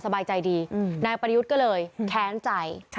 สบายใจดีนายประยุทธ์ก็เลยแค้นใจ